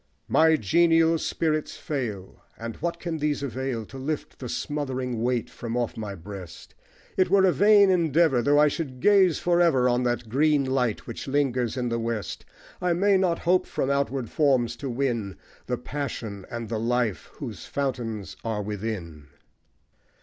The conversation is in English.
My genial spirits fail; And what can these avail To lift the smothering weight from off my breast? It were a vain endeavour, Though I should gaze for ever On that green light that lingers in the west I may not hope from outward forms to win The passion and the life whose fountains are within.